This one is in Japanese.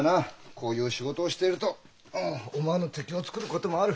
こういう仕事をしてると思わぬ敵をつくることもある。